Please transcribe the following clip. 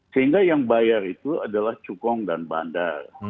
sehingga yang bayar itu adalah cukong dan bandar